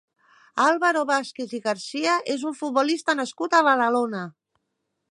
Álvaro Vázquez i García és un futbolista nascut a Badalona.